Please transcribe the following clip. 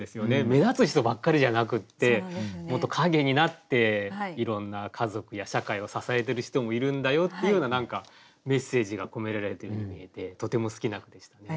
目立つ人ばっかりじゃなくってもっと陰になっていろんな家族や社会を支えてる人もいるんだよっていうような何かメッセージが込められてるように見えてとても好きな句でしたね。